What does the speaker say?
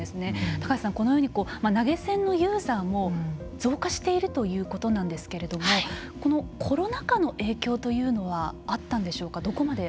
高橋さん、このように投げ銭のユーザーも増加しているということなんですけれどもこのコロナ禍の影響というのはあったんでしょうか。